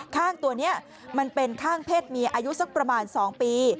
ข้างตัวนี้มันเป็นข้างเพศเมียอายุสักประมาณ๒ปี